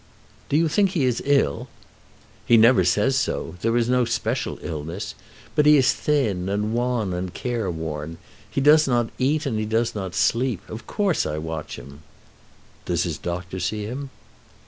"Do you think he is ill?" "He never says so. There is no special illness. But he is thin and wan and careworn. He does not eat and he does not sleep. Of course I watch him." "Does his doctor see him?"